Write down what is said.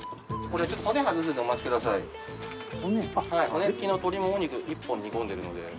はい骨付きの鶏もも肉１本煮込んでるので。